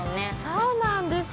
◆そうなんです。